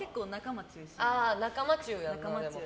仲間中やな。